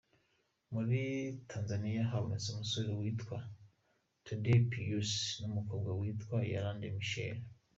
Muri Tanzaniya habonetse umusore witwa Tadei Pius n’umukobwa witwa Yolanda Michael.